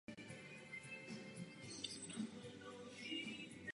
Tento letoun byl vybaven vzduchem chlazeným hvězdicovým motorem Walter Castor.